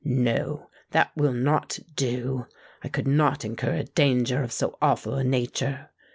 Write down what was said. No—that will not do! I could not incur a danger of so awful a nature.